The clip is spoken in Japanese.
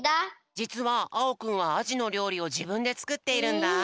じつはあおくんはアジのりょうりをじぶんでつくっているんだ。